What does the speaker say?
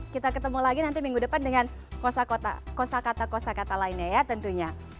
kita ketemu lagi nanti minggu depan dengan kosa kata kosa kata lainnya ya tentunya